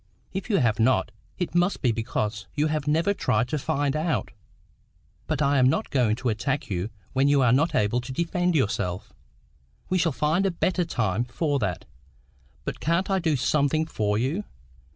"If you have not, it must be because you have never tried to find out. But I'm not going to attack you when you are not able to defend yourself. We shall find a better time for that. But can't I do something for you?